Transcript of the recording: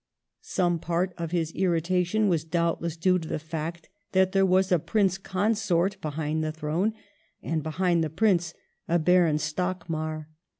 Some part of his initation was doubtless due to the fact that there was a Prince Consoi t behind the Throne, and behind the Prince a Baron Stockmar.